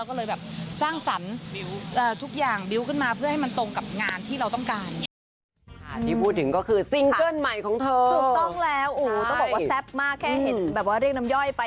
ของเธอถูกต้องแล้วอู๋ต้องบอกว่าแซ่บมากแค่เห็นแบบว่าเรียกนำย่อยไป